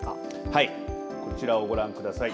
はい、こちらをご覧ください。